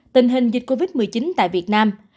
tình hình dịch covid một mươi chín tại việt nam